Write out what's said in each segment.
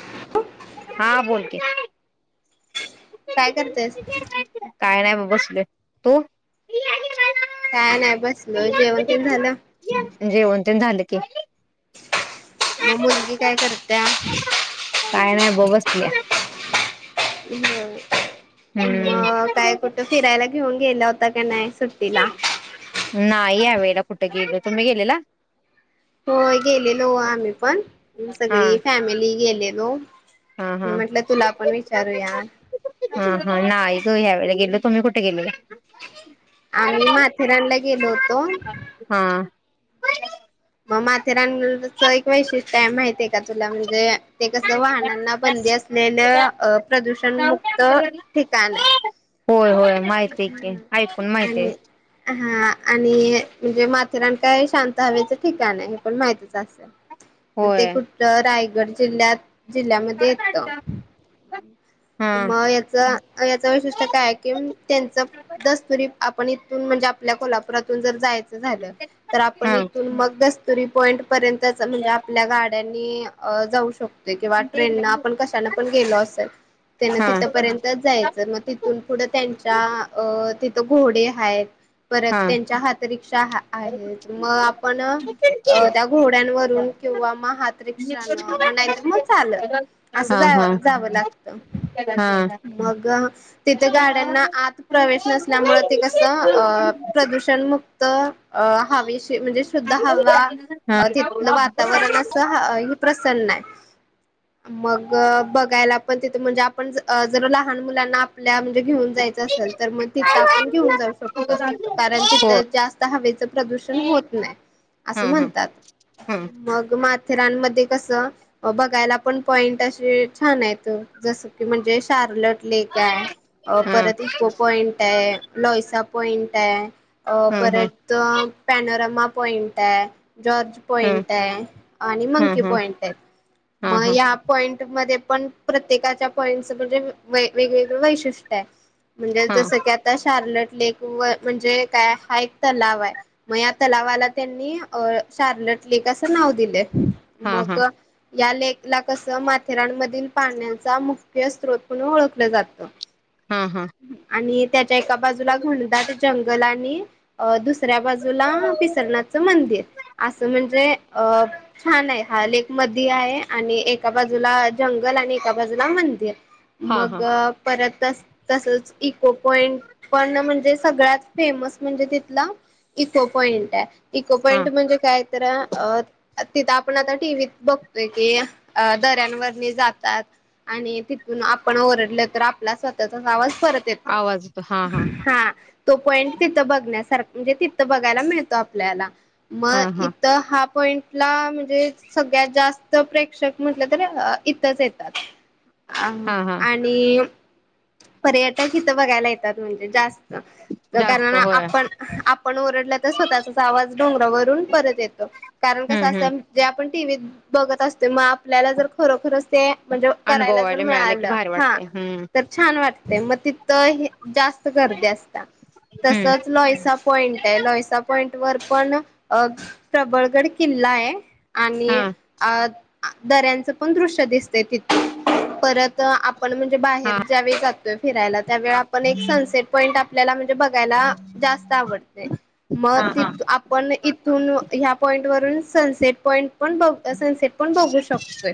[unintelligible] हा बोल की काय करतेस. काय नाही बघ बसलोय तू? काय नाही बसलोय जेवण तेन झालं? जेवण तेन झालं की. मग मुलगी काय करत्या? काय नाही बघ बसलीया हो मग काय कु हम्म ठ फिरायला घेऊन गेला होता का नाही सुट्टीला? नाही या वेळेला कुठे गेले तुम्ही गेलेला? होय गेलेलो आम्ही पण हा सगळी फॅमिली गेलेलो हा हा म्हटलं तुला आपण विचारूया हो हो नाही ग ह्या वेळे गेलो तुम्ही कुठे गेलेला? आम्ही माथेरानला गेलो होतो. हा मग माथेरानच एक वैशिष्ट्य आहे माहतीय का तुला म्हणजे ते कसं वाहनांना बंदी असलेलं अ प्रदूषण मुक्त ठिकाण आहे होय होय माहिती कि आहे क ऐकून माहित आहे हा हा आणि म्हणजे माथेरान काय शांत हवेचं ठिकाण आहे हे पण माहतीच अस असं मग ते होय कुठं रायगड जिल्ह्यात जिल्ह्यामध्ये येत. हा मग याच याच वैशिष्ट्य काय आहे कि त्यांच दस्तुरी आप ण इथून म्हणजे आपल्या कोल्हापुरातून जर जायचं झालं तर आपण हा इथून मग दस री पॉईंट पर्यंत म्हणजे आपल्या गाड्यांनी जाऊ शक किंवा ट्रेन न आपण कश पण गेलो असेल त्या हा तिथ पर्यंत जायचं मग तिथं तिून पुढं त्यांच्या अ तिथं घोडे आहेत परत हा त्यांच्या हातरिक्षा आहे मग आपण त्या घोड्यांवरून किंवा म हात रिक्षान ला म नाहीतर मग चालत असं हा जा हा जावं लागत. हा मग तिथे गाड्यांना आत प्रवेश नसल्यामुळे ते कसं अ प्रदूषणमुक्त अ हवेशी म्हणजे दहावा हा तिथलं वातावरण अस हा इथ प्रसन्न आहे मग बघायला पण तिथ म्हणजे आपण ज जर लहान मुलांना आपल्या म्हणजे घेऊन जायचं असेल तर मग तिथं आपण घेऊन जाऊ शकतो. कारण हो तिथं जास्त हवेचं प्रदूषण होत नाही हा असं हा म्हणतात हा मग माथेरानमध्ये कस बघायला पण पॉइंट असे छान आहेत. जसं की म्हणजे शार्लट लेक अ तर हा परत इको पॉईंट हे. लॉएसा पॉइंट आहे हा हा परत तर पॅनोरमा पॉइंट आहे जॉर्ज हा हा पॉइंट आहे आणि हा मंकी हा पॉइंट आहे मग या पॉइंट मध्ये पण. त्येकाच्या पॉईंटच म्हणजे वेगवेगळं वैशिष्ट्य आहे म्हणजे जसं की आ त्या शार्लट लेक व म्हणजे त्या हा एक तलाव आहे. मग या तलावाला त्यांनी अ शार्लट लेक असं नाव दिलंय. हा हा मग या लेक ला कस माथेरानमधील पाण चा मुख्य स्रोत ओळखलं जातं. हा हा आणि त्याच्या एका बाजूला घणदाट जंगल आणि अ दुसऱ्या बाजूला पिसरनाथचं मंदिर असं म्हणजे अ हा नाही हा लेक. मदी आहे आणि एका बाजूला जंगल आणि एका बाजूला मंदिर हां, मग हां, परत तस तसच इको पॉईंट पण म्हणजे सगळ्यात फेमस म्हणजे तितंला इको पॉइंट आहे इको पॉइंट हां. म्हणजे काय तर अ तिथं आपण आता टीव्हीत बघतोय की अ दऱ्यांवरणी जातात. आणि तिथून आपण ओरडलं तर आपला स्वतःचाच आवाज परत त तो आवाज येतो. हां, हां, हा तो पॉईंट तिथं बघण्यासारख म्हणजे तिथं बघायला मिळतो आपल्याला. हां, मग हां, इथं हा पॉइंटला म्हणजे सगळ्यात जास्त च प्रेक्षक म्हटलं तरं अ इथंच येतात, आम हां, हां. अन खी पर्यटक इथं बघायला येतात म्हणजे जास्त. च जास्त कारण होय. आपण आपण ओरडलं तर स्वतःचाच आवाज डोंगरावरून परत येतो. कारण कसं हं, हं. असतं जे आपण टीव्हीत बघत असतो मग आपल्याला जर खरोखरच ते म्हणजे करायला जर अनुभवायला की मिळालं भारी हा वाटतंय. हं, तर छान वाटते मग तिथ ही जास्त गर्दी असत हं. तसच लॉयसा पॉईंट आहे लोयसा पॉईंट वर पण अ प्रबळगड किल्ला आहे. आणि हां, अ दऱ्यांचं पण दृश्य दिसते तिथे परत तं आपण म्हणजे बाहेर हां, ज्यावेेळी जातोय फिरायला त्यावेळी आपण एक सनसेट पईट आपल्याला म्हणजे बघायला जास्त आवडते मग हां, हां, तिथ आप पण इथून ह्या पॉइंट वरून सनसेट पॉईंट पण बघ असं सनसेट पण बघू शकतोय.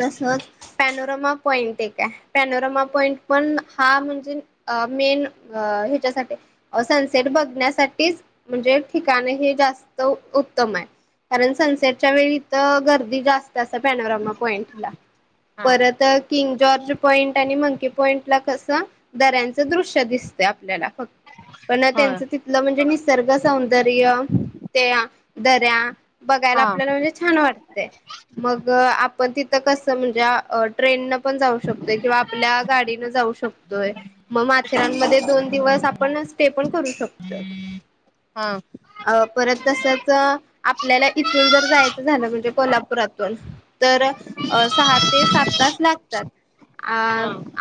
तसंच पॅनोरमा पॉइंट एक आहे पॅनोरमा पॉइंट पण हा म्हणजे अ मेन अ ह्याच्यासाठी अ सनसेट बघण्यासाठीच म्हणजे ठिकाणे ही जास्त उत्तम आहे. कारण सनसेटच्या वेळी तर गर्दी जास तसं पॅनोरामा पॉइंटला हां. परत किंग जॉर्ज पॉईंट आणि मंकीे पॉईंट ला कस दऱ्यांचं दृश्य दिसतयं आपल्याला फक्त पण होय. त्यांचं तिथलं म्हणजे निसर्ग सौंदर्य त्या दऱ्या बघायला हां, आपल्याला म्हणजे छान वाटतयं मग आप पण तिथं कस म्हणजे ट्रेन न पण जाऊ शकतोय किंवा आपल्या गाडीनं जाऊ शक तोय मग माथेररानमध्ये दोन दिवस आपण स्टे पण करू शकतोय. हां, अ परत तसच चं आपल्याला इथून जर जायचं झालं म्हणजे कोल्हापुरातून. तर अ सहा ते सात तास लागतात आ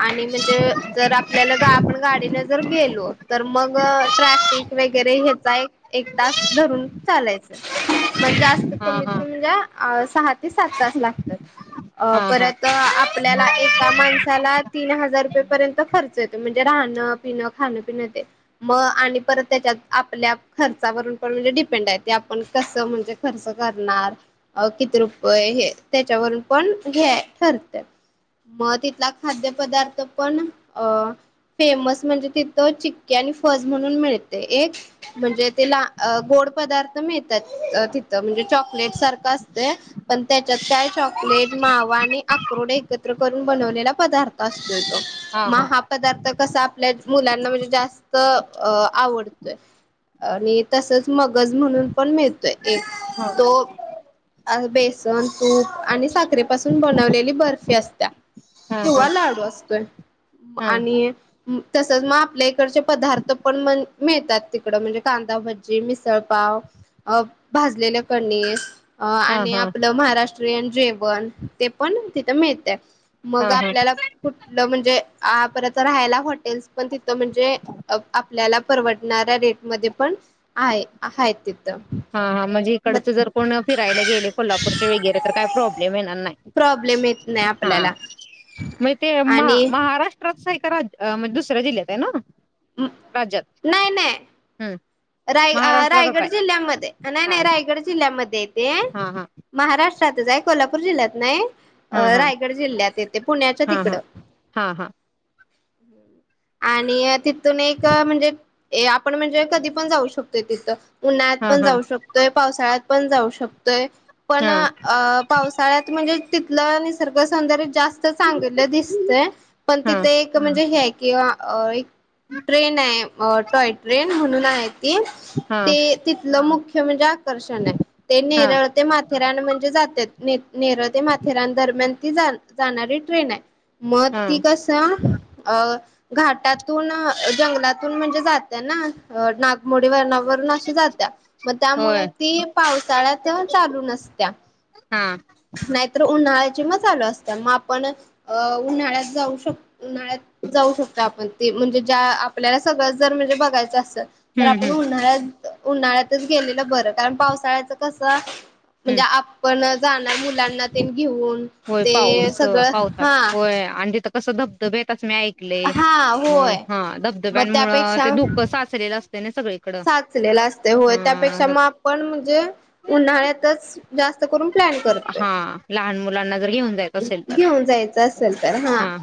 आणि म्हणजे जर आपल्याला आपण गाडीने जर गेलो तर मग ट्रॅफ पीक वेगैरे हेचा एक तास धरून चालायच. मग जास्त हां, हां, कमीत हां, सहा ते सात तास लागतात. अ हां, हां. परत आपल्याला एका माण ह्याला तीन हजार रुपये पर्यंत खर्च येतो म्हणजे राहणं पिणं खाणं पिण ते. मग आणि परत त्याच्यात आपल्या खर्चावरून पण म्हणजे डिपेंड आहे ते आपण कस म्हणजे खर्च करणार अ किती रुपये हे त्याच्यावरून पण घ्या ठरते. मग तितला खाद्य पदार्थ पण अ फेमस म्हणजे तिथं चिक्की आणि फज म्हणून मिळते एक म्हणजे तेला गोड पदार्थ मिळतात अ तिथं म्हणजे चॉकलेट सारखं असते. पण त्या त्यात काय चॉकलेट मावा आणि आक्रोड एकत्र करून बनवलेला पदार्थ असतोय तो. हां, मग हां, हा पदार्थ कसा आपल्याचं मुलांना म्हणजे जास्त अ आवडतोय. आणि तसच मगज म्हणून पण मिळतय. एक तो अस बेसन हो आणि साखरेपासून बनवलेली बर्फी असत्या. हां, किंवा लाडू असतो हां, आणि तसच मग आपल्या इकडचे पदार्थ पण मिळतात तिकड म्हणजे कांदाभजी मिसळपाव. अ भाजलेल्या कणीस. अ हां, हां, आणि हां, आपलं महाराष्ट्रीयन जेवण ते पण तिथं मिळत. मग हां, हां, हां, हां, आपल्याला कुठलं म्हणजे आ परपर राहायला हॉटेल्स. पण तिथं म्हणजे आपल्याला परवडणाऱ्या रेट मध्ये पण आहे आहेत ति हा हा म्हणजे इकडच जर कोण फिरायला गेले कोल्हापूरचे वेगैरे तर काय प्रॉब्लेम येणार नाही. प्रॉब्लेम येत नाही हा आपल्याला म ते म आणि महारा प्रोक सही करा अ म दुसऱ्या जिल्ह्यात आहे ना राज्यात नाही नाही हम्म. राय रायगड जिल्ह्यामध्ये नाही नाही रायगड जिल्ह्यामध्ये येते. हा हा. महाराष्ट्रातच आहे कोल्हापूर जिल्ह्यात नाही. अ हां, हां. रायगड जिल्ह्यात येते पुण्याच्या हां, तिकडं. हां. हां, हां. आणि तिथून एक म्हणजे आपण म्हणजे कधी. पण जाऊ शकतोय तिथं उन्हाळ्यात हां, पण हां. जाऊ शकतोय पावसाळ्यात पण जाऊ शकतोय. पण अ हां, अ पावसाळ्यात म्हणजे तिथलं निसर्गसौंदर्य जास्त ते चांगलं दिसत पण हां. तिथे एक म्हणजे हेय किंवा आ ए ट्रेन आहे टॉय ट्रेन म्हणून आहे ती हां, ते. तथल मुख्य म्हणजे आकर्षण आहे ते हां. नेरळ. ते माथेरान म्हणजे जातात ने नेरळ ते माथेरान दरम्यान ती जाण जाणारी ट्रेन आहे. म ती हां. कस ती कसं अ घाटातून जंगलातून म्हणजे जात ना अ नाग मोढ वर्णावरून अशी जात्या मग त्यामुळ होय. ती पावसाळ्यातच चालू नसत्या. हा. नाहीतर उन्हाळ्याची मग चालू असतीया मग आपण. अ उन्हाळ्यात जाऊ शक उन्हाळ्यात जाऊ शकतो आपण. ते म्हणजे ज्या आपल्याला सगळं जर म्हणजे बघायचं असेल तर हं, आपण हं. उन्हाळ्यात. उन्हाळ्यातच गेलेलं बरं कारण पावसाळ्याच कस म्हणजे हं. आपण. जाणार मुलांना ते घेऊन ते सगळं हा. तय आणि तिथं कसं धबधबे येतच नाही. ले हा म होय हा मग धबधब्यांमुळं ते त्यापेक्षा धुकं साचलेलं असते ना सगळी साचलेला असत होय त्यापेक्षा म आपण म्हणजे उन्हाळ्यातच. जास्त करून प्लॅन करतोय हां. लहान मुलांना जर घेऊन जायचं असेल तर. घेऊन जायच. असेल तर हा. हां,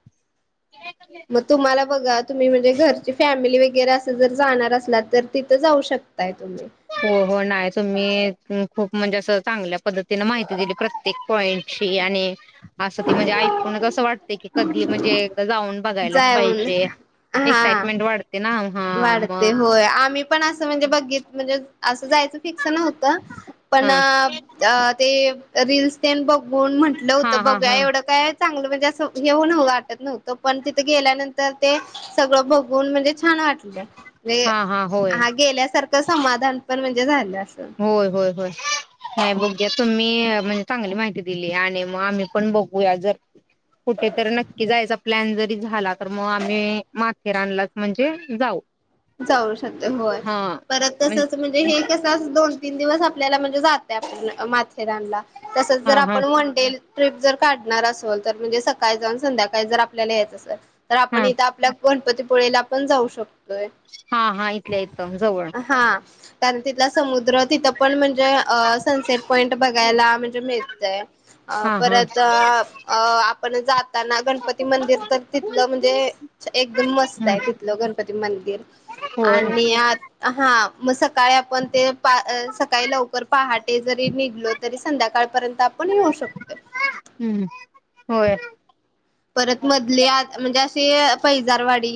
[unintelligible] मग तुम्हाला बघा तुम्ही म्हणजे घरची फॅमिली वगैरे असं जर जाणार असला तर तिथं जाऊ शकताय तुम्ही. हो हो नाही तुम्ही खूप म्हणजे असं चांगल्या पद्धतीने माहिती दिली प्रत्य तेक पॉईंटची आणि असं त म्हणजे ऐकून असं वाटत की कधी म्हणजे जाऊन बग बघायलाच जाऊन पाहिजे हा. एक्साईनटमेंट वाढते ना. हा मग वाढते होय आम्ही पण असं म्हणजे बघित म्हणजे असं जायचं फिक्स नव्हतं. पण हा ते रीलस ते बघ बोन म्हंटलं होतं हा हा बघ हा एवढं काय. चांगलं म्हणजे असं हेऊ न वाटत नव्हतं पण तिथं गेल्यानंतर ते. सगळं बघून म्हणजे छान वाट म्ह जे हा होय हा गेल्यासारखं समाधान पण म्हणजे झालं असं. होय होय होय. नाही बघूया तुम्ही म्हणजे चांगली माहिती दिली आणि मग आम्ही पण बघूया जर. कुठेतरी नक्की जायचा प्लॅन जरी झाला तर मग आम्ही माथेराणला म्हणजे जाऊ. जाऊ शकते होय हा परत तसच म्हणजे हे कस दोन तीन दिवस आपल्याला म्हणजे जात माथेरानला तसच जर हा हा आपण वनडेल. ट्र्रीप जर काढणार असल तर म्हणजे सकाळी जाऊन संध्याकाळी जर आपल्याला यायचं असेल तर आपण हा इथं आपल्या. गणपतीपुळेला पण जाऊ शकतोय. हा हा इथल्या इथं जवळ हा कारण तिथला समुद्र तिथं पण म्हणजे अ सनसेट पॉइंट बघायला म्हणजे मिळतय अ हा हा परत अ आपण जाताना गणपती मंदिरच तिथ. तिथलं म्हणजे एकदम मस्त हम्म, आहे तिथलं गणपती मंदिर होय आणि. हा मग सकाळी आपण ते सकाळी लवकर पहाटे जरी निघलो. तरी संध्याकाळपर्यंत आपण येऊ शकतोय. हम्म. होय परत मधले आ म्हणजे अशे पैजारवाडी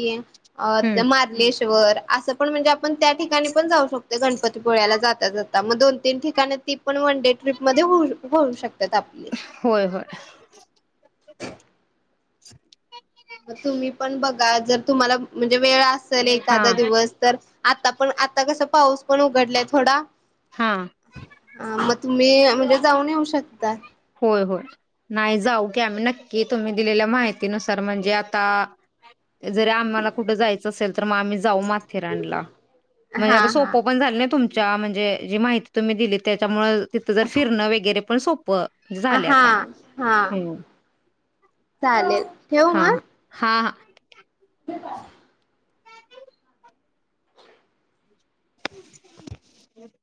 आ त हम्म मा लेश्वर असं पण म्हणजे आपण त्या ठिकाणी पण जाऊ शकतो गणपतीपोळ्याला जाता जाता मग दोन-तीन ठिकाणी ती पण वन डे ट्रीप म हो होऊ शकतात आपली. होय होय. ह म तुम्ही पण बघा जर तुम्हाला म्हणजे वेळ असेल हा एखादा दिवस तर आता पण आता कसं पाऊस पण उघडलाय थोडा हां आं मग तुम्ही म्हणजे जाऊन येऊ शकता. होय होय. नाही जाऊ की आम्ही नक्की तुम्ही दिलेल्या माहिती नुसार म्हणजे आता जरी आम्हाला कुठं जायचं असेल तर मग आम्ही जाऊ माथेरानला. म्हणजे आता हा हा सोप्पं पण झाले ना तुम च्या म्हणजे जी माहिती तुम्ही दिली त्याच्यामुळे तिथं जर फिरणं वगैरे पण सोप्पं झाले हा आता हा हम्म चालेल ठेवू हा मग हा. हा हा. [unintelligible] [inaudible]